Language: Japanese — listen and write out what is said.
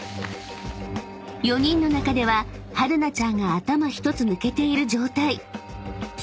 ［４人の中でははるなちゃんが頭一つ抜けている状態］